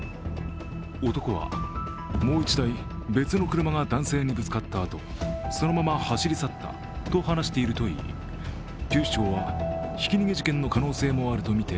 男はもう１台、別の車が男性にぶつかったあとそのまま走り去ったと話しているといい警視庁はひき逃げ事件の可能性もあるとみて